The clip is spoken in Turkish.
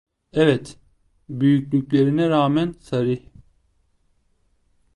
Evet, büyüklüklerine rağmen sarih…